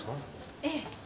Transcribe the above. ええ。